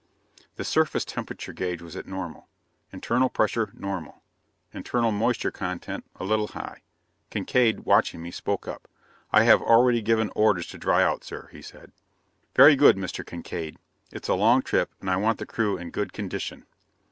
The surface temperature gauge was at normal. Internal pressure, normal. Internal moisture content, a little high. Kincaide, watching me, spoke up: "I have already given orders to dry out, sir," he said. "Very good, Mr. Kincaide. It's a long trip, and I want the crew in good condition."